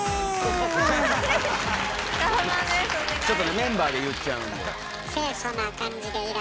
ちょっとねメンバーで言っちゃうんで。